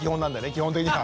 基本的には。